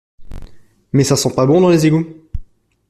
Mais ça sent pas bon dans les égoûts!